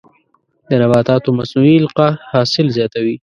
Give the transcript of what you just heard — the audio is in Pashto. د نباتاتو مصنوعي القاح حاصل زیاتوي.